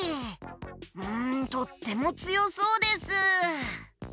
うんとってもつよそうです。